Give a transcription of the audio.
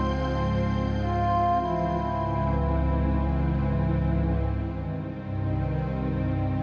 usar malam ini menderita